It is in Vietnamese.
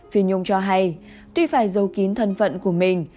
phi nhung cho hay tuy phải dấu kín thân phận của mình